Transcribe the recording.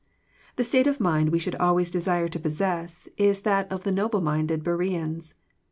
The state of mind we should always desire to possess is that of the noble minded Beraeans.